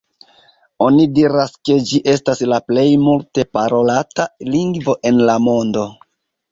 Oni diras ke ĝi estas la plej multe parolata lingvo en la mondo.